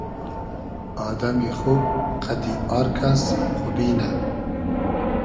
آدئمی خوب قئدی آر کئس خوبی نۂ